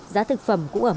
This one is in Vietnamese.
giá thực phẩm cũng ở mức cao